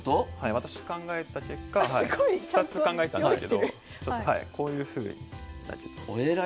私考えた結果２つ考えたんですけどこういうふうに。